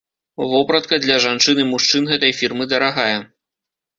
Вопратка для жанчын і мужчын гэтай фірмы дарагая.